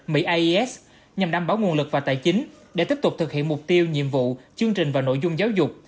mỹ ais nhằm đảm bảo nguồn lực và tài chính để tiếp tục thực hiện mục tiêu nhiệm vụ chương trình và nội dung giáo dục